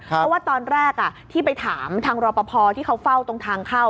เพราะว่าตอนแรกที่ไปถามทางรอปภที่เขาเฝ้าตรงทางเข้า